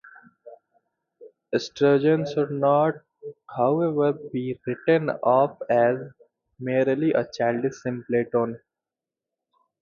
Estragon should not, however, be written off as merely a childish simpleton.